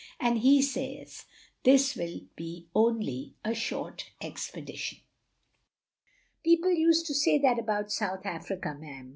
And he says this will be only a short expedition. " "People used to say that about South Africa, ma'am.